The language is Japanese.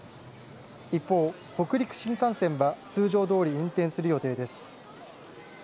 一方、北陸新幹線は通常どおり運転する予定です。